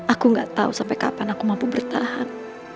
aku gak tahu sampai kapan aku mampu bertahan